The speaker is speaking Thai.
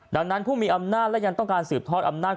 ดังนั้นผู้มีอำนาจและยังต้องการสืบทอดอำนาจ